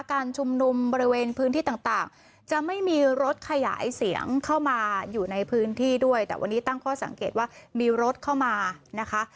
การชุมนุมบริเวณพื้นที่ต่างจะไม่มีรถขยายเสียงเข้ามาอยู่ในพื้นที่ด้วยแต่วันนี้ตั้งข้อสังเกตว่ามีรถเข้ามานะคะ